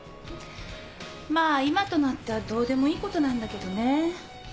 まあ今となってはどうでもいいことなんだけどね。